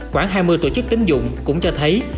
khoảng hai mươi tổ chức tính dụng cũng cho thấy